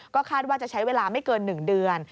คาดว่าจะใช้เวลาไม่เกิน๑เดือน